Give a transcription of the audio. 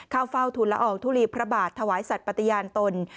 เข้าเฝ้าทุนละอองทุลีพระบาทถวายสัตว์ปฏิญาณตน